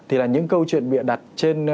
thì là những câu chuyện bịa đặt trên